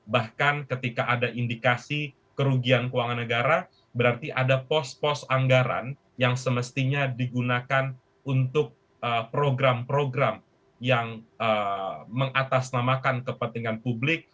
bahkan ketika ada indikasi kerugian keuangan negara berarti ada pos pos anggaran yang semestinya digunakan untuk program program yang mengatasnamakan kepentingan publik